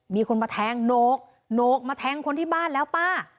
มีคนมาแทงโหนกโหนกมาแทงคนที่บ้านแล้วป้า